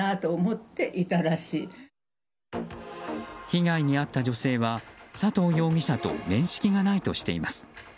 被害に遭った女性は佐藤容疑者と面識がないとしています。